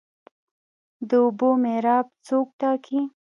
د اوبو میراب څوک ټاکي؟